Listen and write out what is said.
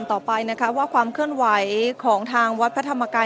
เมื่อเวลาอันดับสุดท้ายเมื่อเวลาอันดับสุดท้าย